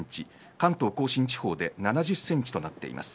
関東甲信地方で７０センチとなっています。